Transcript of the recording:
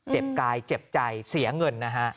กายเจ็บใจเสียเงินนะฮะ